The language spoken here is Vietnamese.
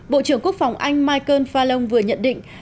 bộ trưởng quốc phòng anh michael falong vừa nhận định